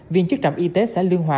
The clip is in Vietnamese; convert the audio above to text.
viên chức trạm y tế xã lương hòa